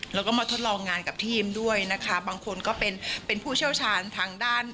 แล้วก็มาทดลองงานกับทีมด้วยนะคะบางคนก็เป็นเป็นผู้เชี่ยวชาญทางด้าน